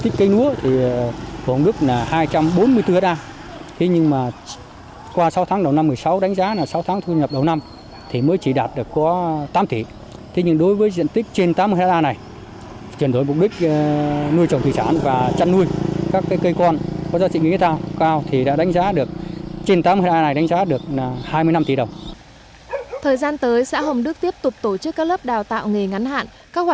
theo đánh giá sơ kết sáu tháng đầu năm hai nghìn một mươi sáu tổng giá trị thu được từ nuôi thủy sản ở xã hồng đức đạt trên hai mươi năm tỷ đồng cao hơn ba lần so với cây lúa